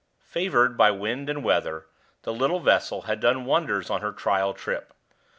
Favored by wind and weather, the little vessel had done wonders on her trial trip.